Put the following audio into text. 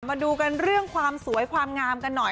มาดูกันเรื่องความสวยความงามกันหน่อย